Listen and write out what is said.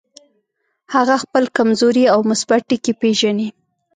هغه خپل کمزوري او مثبت ټکي پېژني.